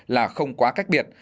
là không quá cách biệt